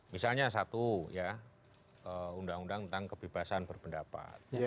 misalnya satu ya undang undang tentang kebebasan berpendapat